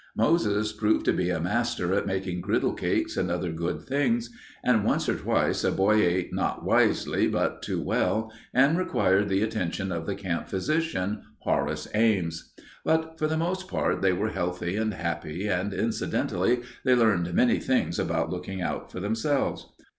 Moses proved to be a master at making griddle cakes and other good things, and once or twice a boy ate not wisely but too well, and required the attention of the camp physician, Horace Ames. But for the most part they were healthy and happy, and incidentally they learned many things about looking out for themselves.